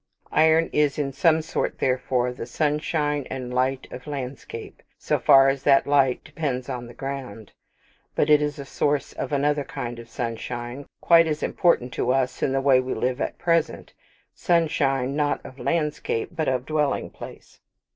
Iron is in some sort, therefore, the sunshine and light of landscape, so far as that light depends on the ground; but it is a source of another kind of sunshine, quite as important to us in the way we live at present sunshine, not of landscape, but of dwelling place.